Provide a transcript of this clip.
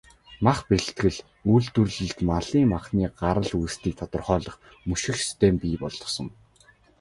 Мах бэлтгэл, үйлдвэрлэлд малын махны гарал үүслийг тодорхойлох, мөшгөх систем бий болгосон.